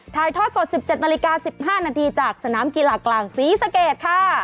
ถ่ายทอดสด๑๗นาฬิกา๑๕นาทีจากสนามกีฬากลางศรีสะเกดค่ะ